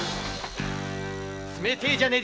冷てえじゃねえですか！